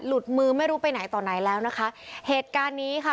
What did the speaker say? มือไม่รู้ไปไหนต่อไหนแล้วนะคะเหตุการณ์นี้ค่ะ